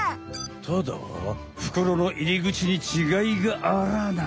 ただふくろのいりぐちにちがいがあらあなあ。